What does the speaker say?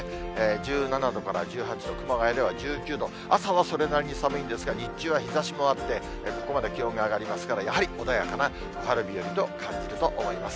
１７度から１８度、熊谷では１９度、朝はそれなりに寒いんですが、日中は日ざしもあって、ここまで気温が上がりますから、やはり穏やかな小春日和と感じると思います。